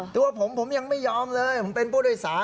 ตัวผมผมยังไม่ยอมเลยผมเป็นผู้โดยสาร